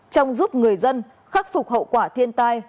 trong giúp người dân khắc phục hậu quả thiên tai